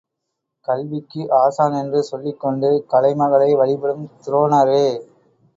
கல்விக்கு ஆசான் என்று சொல்லிக் கொண்டு கலைமகளை வழிபடும் துரோணரே!